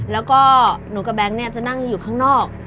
แล้วก็หนูกับแบงค์เนี่ยจะนั่งอยู่ข้างนอก